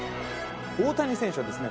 大谷選手はですね